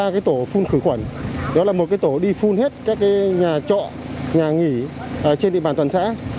ba tổ phun khử khuẩn đó là một tổ đi phun hết các nhà trọ nhà nghỉ trên địa bàn toàn xã